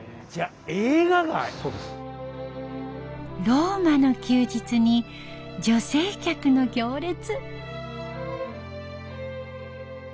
「ローマの休日」に女性客の行列。